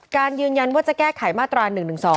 ยืนยันว่าจะแก้ไขมาตรา๑๑๒